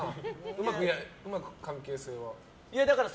うまく関係性は？